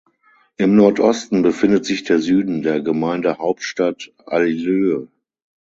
Im Nordosten befindet sich der Süden der Gemeindehauptstadt Aileu.